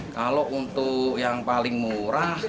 kalau untuk yang paling murah